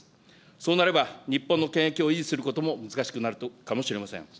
そうなれば、日本のけんえきを維持することも難しくなるかもしれません。